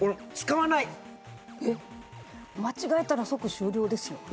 間違えたら即終了ですよ